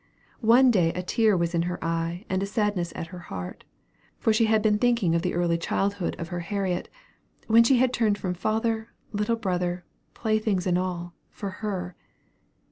One day a tear was in her eye and a sadness at her heart; for she had been thinking of the early childhood of her Harriet, when she turned from father, little brother, playthings and all, for her.